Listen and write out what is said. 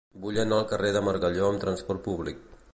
Vull anar al carrer del Margalló amb trasport públic.